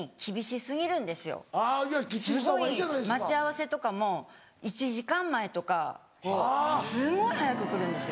すごい待ち合わせとかも１時間前とかすごい早く来るんですよ。